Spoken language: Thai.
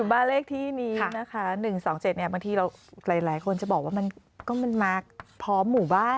บ้านเลขที่นี้นะคะ๑๒๗บางทีเราหลายคนจะบอกว่ามันก็มันมาพร้อมหมู่บ้าน